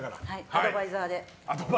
アドバイザーで。